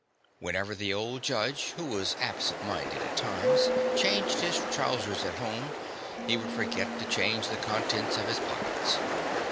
Whenever the old judge, who was absent minded at times, changed his trousers at home he would forget to change the contents of the pockets.